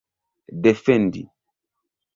defendi